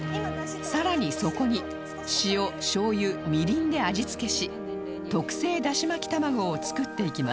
さらにそこに塩醤油みりんで味付けし特製ダシ巻き玉子を作っていきます